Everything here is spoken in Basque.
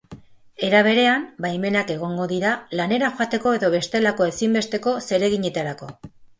Era berean, baimenak egongo dira lanera joateko edo bestelako ezinbesteko zereginetarako.